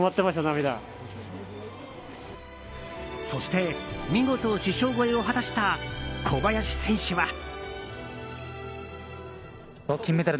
そして、見事師匠超えを果たした小林選手は。